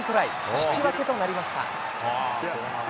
引き分けとなりました。